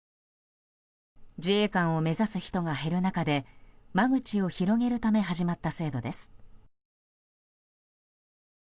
自衛官を目指す人が減る中で間口を広げるため始まった制度です。